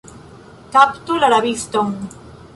Kaptu la rabiston!